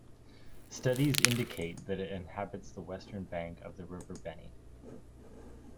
Studies indicate that it inhabits the western bank of the river Beni.